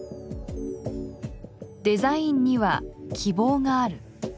「デザインには希望がある」。